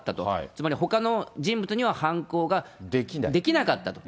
つまりほかの人物には犯行ができなかったと。